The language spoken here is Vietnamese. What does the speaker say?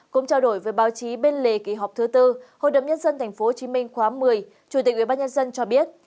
cũng trao đổi với báo chí bên lề kỳ họp thứ tư hội đồng nhân dân tp hcm khóa một mươi chủ tịch ubnd cho biết